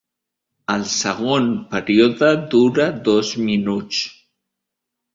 El segon període dura dos minuts.